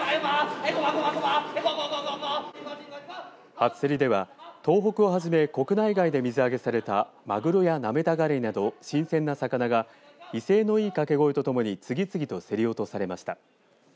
初競りでは東北をはじめ国内外で水揚げされたまぐろやなめたがれいなど新鮮な魚が威勢のいいかけ声とともに次々と競り落とされました。